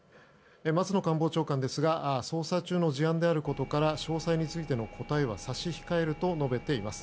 松野官房長官ですが捜査中の事案であることから詳細についての答えは差し控えると述べています。